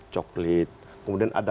coklat kemudian ada